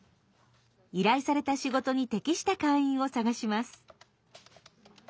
依頼された仕事に適した会員を探します。